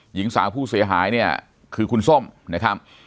หญิงสาวผู้เสียหายเนี่ยคือคุณส้มนะครับ